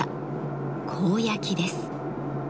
「甲焼き」です。